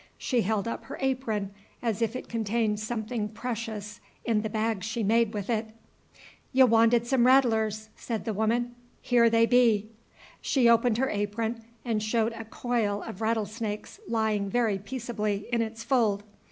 She held up her apron as if it contained something precious in the bag she made with it. "Y' wanted some rattlers," said the woman. "Here they be." She opened her apron and showed a coil of rattlesnakes lying very peaceably in its fold.